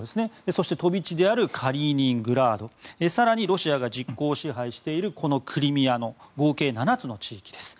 そして飛び地であるカリーニングラード更に、ロシアが実効支配しているこのクリミアの合計７つの地域です。